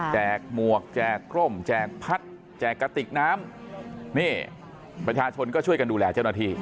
หมวกแจกร่มแจกพัดแจกกระติกน้ำนี่ประชาชนก็ช่วยกันดูแลเจ้าหน้าที่